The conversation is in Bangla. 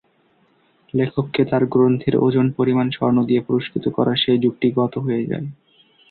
লেখককে তার গ্রন্থের ওজন পরিমাণ স্বর্ণ দিয়ে পুরস্কৃত করার সেই যুগটি গত হয়ে যায়।